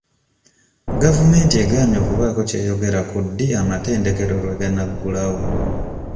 Gavumenti egaanye okubaako kyeyogera ku ddi amatendekero lwe ganaggulawo.